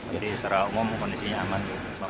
jadi secara umum kondisinya aman